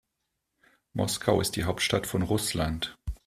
Moskau ist die Hauptstadt von Russland.